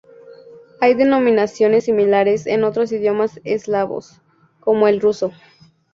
Hay denominaciones similares en otros idiomas eslavos, como el ruso.